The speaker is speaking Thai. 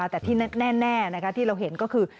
แต่ที่แน่ที่เราเห็นก็คือ